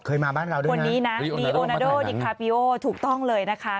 เคยมาบ้านเราด้วยมั้ยลีโอนาโดดิกทาปิโอถูกต้องเลยนะคะ